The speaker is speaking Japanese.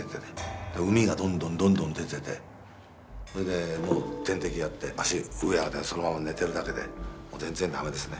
うみがどんどんどんどん出ててそれでもう点滴やって足上へ上げてそのまま寝てるだけでもう全然ダメですね。